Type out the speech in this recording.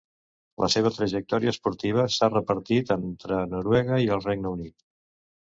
La seva trajectòria esportiva s'ha repartit entre Noruega i el Regne Unit.